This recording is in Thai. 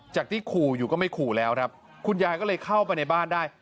ที่ขู่อยู่ก็ไม่ขู่แล้วครับคุณยายก็เลยเข้าไปในบ้านได้